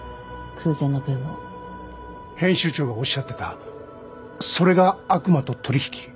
空前のブームを編集長がおっしゃってたそれが悪魔と取引？